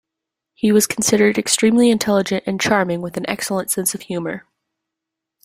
He was considered extremely intelligent and charming with an excellent sense of humor.